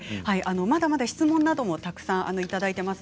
まだまだ質問もたくさんいただいています。